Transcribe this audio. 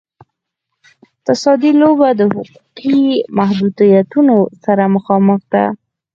اقتصادي لوبه د حقوقي محدودیتونو سره مخامخ ده.